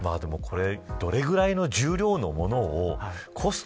どれぐらいの重量のものをコスト